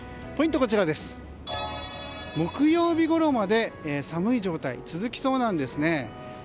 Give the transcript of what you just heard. ポイントは、木曜日ごろまで寒い状態続きそうなんです。